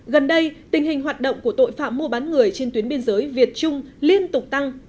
gần đây tình hình hoạt động của tội phạm mua bán người trên tuyến biên giới việt trung liên tục tăng